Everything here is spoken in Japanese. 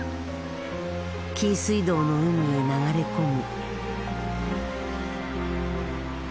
紀伊水道の海へ流れ込む。